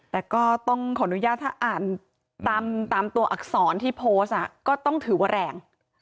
แต่ก็ต้องขออนุญาตถ้าอ่านตามตัวอักษรที่โพสต์ก็ต้องถือว่าแรง